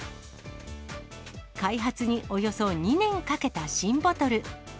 開発におよそ２年かけた新ボトル。